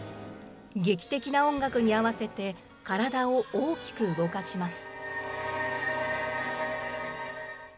劇的な音楽に合わせて、体を大きく動かします。